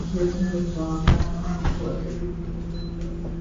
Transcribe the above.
দুর্নীতির বিরুদ্ধে লড়াই করতে হলে কোনো অবস্থাতেই পিছপা হলে চলবে না।